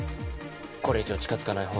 これ以上近づかないほうが。